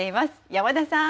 山田さん。